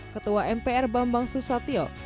ketua mpr bambang susatyo